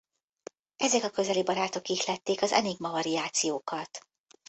Ezek a közeli barátok ihlették az Enigma Variációkat.